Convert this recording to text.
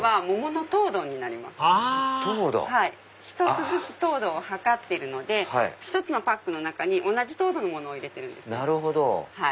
１つずつ糖度を測ってるので１つのパックの中に同じ糖度のものを入れてるんです。